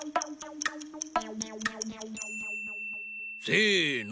せの。